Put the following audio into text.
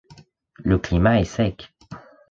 Le climat est sec.